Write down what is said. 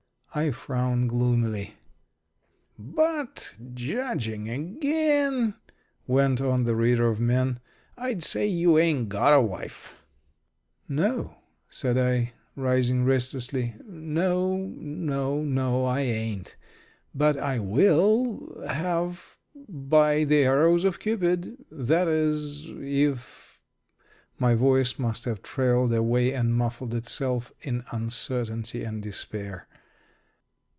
I frowned gloomily. "But, judging again," went on the reader of men, "I'd say you ain't got a wife." "No," said I, rising restlessly. "No, no, no, I ain't. But I will have, by the arrows of Cupid! That is, if " My voice must have trailed away and muffled itself in uncertainty and despair.